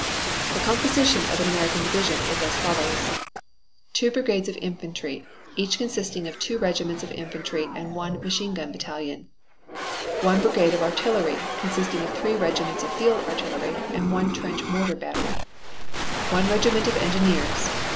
The composition of an American division is as follows: Two brigades of infantry, each consisting of two regiments of infantry and one machine gun battalion. One brigade of artillery, consisting of three regiments of field artillery, and one trench mortar battery. One regiment of engineers.